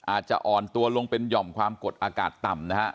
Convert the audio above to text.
อาจจะอ่อนตัวลงเป็นหย่อมความกดอากาศต่ำนะฮะ